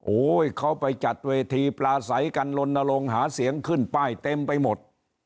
โอ้โหเขาไปจัดเวทีปลาใสกันลนลงหาเสียงขึ้นป้ายเต็มไปหมด